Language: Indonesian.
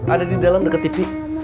ada di dalam deket tipik